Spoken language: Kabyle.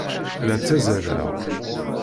La ttazzaleɣ.